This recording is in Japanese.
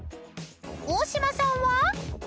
［大島さんは？］